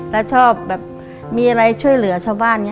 และชอบมีอะไรช่วยเหลือเท่าว่านี้